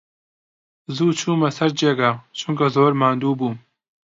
زوو چوومە سەر جێگا، چونکە زۆر ماندوو بووم.